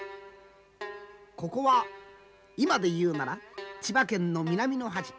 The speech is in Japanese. ここは今で言うなら千葉県の南の端。